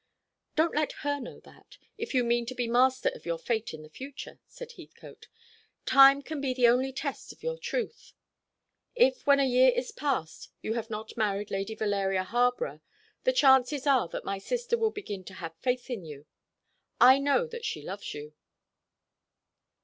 "Don't let her know that, if you mean to be master of your fate in the future," said Heathcote. "Time can be the only test of your truth. If when a year is past you have not married Lady Valeria Harborough, the chances are that my sister will begin to have faith in you. I know that she loves you."